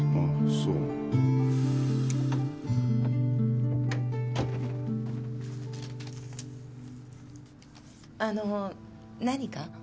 そうあの何か？